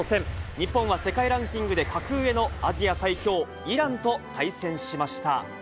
日本は世界ランキングで格上のアジア最強、イランと対戦しました。